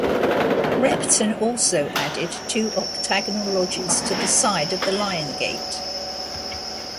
Repton also added two octagonal lodges to the side of the Lion Gate.